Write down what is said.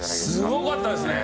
すごかったですね。